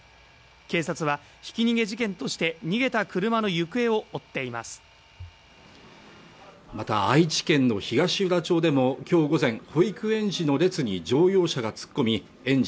警察はひき逃げ事件として逃げた車の行方を追っていますまた愛知県の東浦町でもきょう午前保育園児の列に乗用車が突っ込み園児